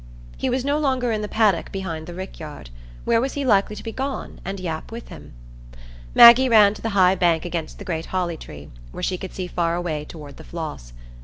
He was no longer in the paddock behind the rickyard; where was he likely to be gone, and Yap with him? Maggie ran to the high bank against the great holly tree, where she could see far away toward the Floss.